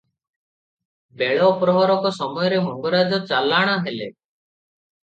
ବେଳ ପ୍ରହରକ ସମୟରେ ମଙ୍ଗରାଜ ଚଲାଣ ହେଲେ ।